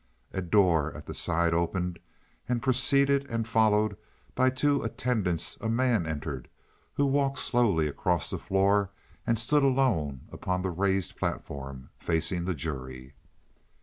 A door at the side opened, and preceded and followed by two attendants a man entered, who walked slowly across the floor and stood alone upon the raised platform facing the jury.